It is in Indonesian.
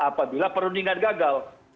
apabila perundingan gagal